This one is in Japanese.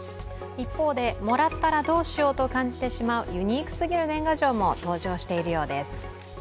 一方で、もらったらどうしようと感じてしまうユニークすぎる年賀状も登場しているようです。